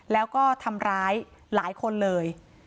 แล้วก็ทำร้ายหลายคนเลย